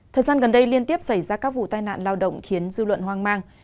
thời gian gần đây liên tiếp xảy ra các vụ tai nạn lao động khiến dư luận hoang mang